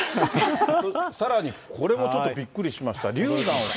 さらにこれもちょっとびっくりしました。